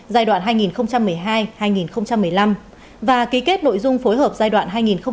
giai đoạn hai nghìn một mươi hai hai nghìn một mươi năm và ký kết nội dung phối hợp giai đoạn hai nghìn một mươi sáu hai nghìn hai mươi